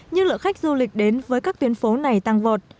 nhưng lượng khách du lịch đến với các tuyến phố này tăng vọt